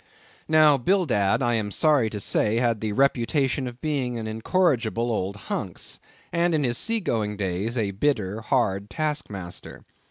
Now, Bildad, I am sorry to say, had the reputation of being an incorrigible old hunks, and in his sea going days, a bitter, hard task master.